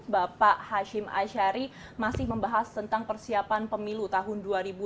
bapak hashim ashari masih membahas tentang persiapan pemilu tahun dua ribu dua puluh